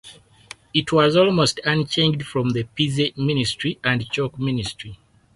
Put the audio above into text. It was almost unchanged from the Pizzey Ministry and Chalk Ministry.